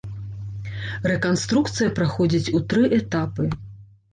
Рэканструкцыя праходзіць у тры этапы.